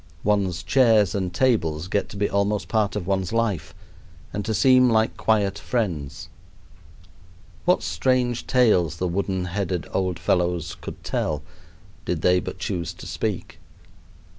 One's chairs and tables get to be almost part of one's life and to seem like quiet friends. What strange tales the wooden headed old fellows could tell did they but choose to speak!